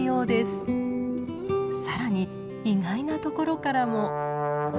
更に意外なところからも。